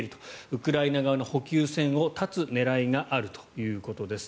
ウクライナ側の補給線を断つ狙いがあるということです。